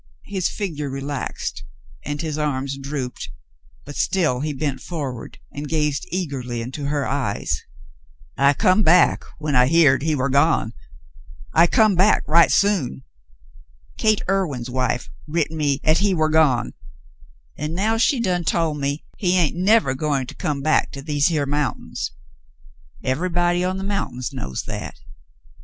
His figure relaxed, and his arms dropped, but still he bent forward and gazed eagerly into her eyes. Frale again Returns 259 "I come back when I heered he war gone. I come back right soon. Gate Irwin's wife writ me 'at he war gone ; an' now she done tol' me he ain't nevah goin' to come back to these here mountins. Ev'ybody on the mountins knows that.